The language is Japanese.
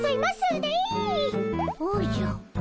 おじゃ？